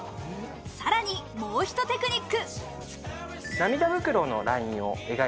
さらに、もうひとテクニック。